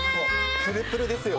プルプルですよね。